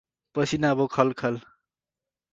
पसिना भो खलखल ।